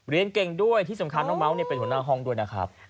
เรียนเก่งด้วยที่สำคัญน้องเมาส์เป็นหัวหน้าห้องด้วยนะครับ